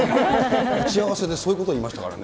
打ち合わせでそういうことを言いましたからね。